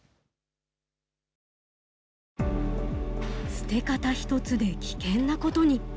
捨て方一つで危険なことに。